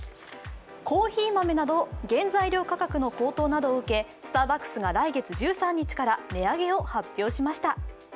コーヒー豆など原材料価格の高騰を受けスターバックスが来月１３日から値上げを発表じつした。